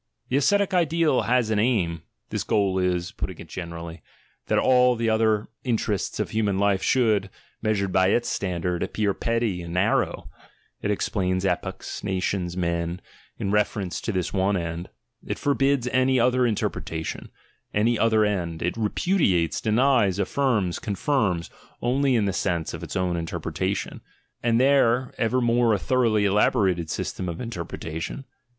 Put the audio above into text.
The ascetic ideal has an aim — this goal is, putting it generally, that all the other interests of human life should, measured by its standard, appear petty and narrow; it explains epochs, nations, men, in reference to this one end; it forbids any other inter pretation, any other end; it repudiates, denies, affirms, confirms, only in the sense of its own interpretation (and 160 THE GENEALOGY OF MORALS there ever a more thoroughly elaborated system of interpretation?)